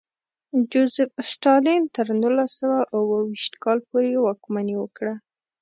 جوزېف ستالین تر نولس سوه اوه ویشت کال پورې واکمني وکړه.